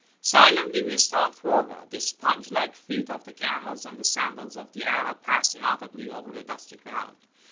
Silently we stalked forward = The sponge Hke feet of the camels and the sandals of the Arab passed inaudibly over the dusty ground.